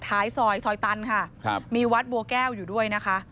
ท้ายซอยซอยตันค่ะครับมีวัดบัวแก้วอยู่ด้วยนะคะ